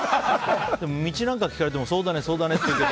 道なんか聞かれてもそうだね、そうだねって言って。